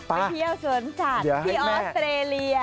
ไปเที่ยวสวนสัตว์ไปเที่ยวสวนสัตว์ที่ออสเตรเลีย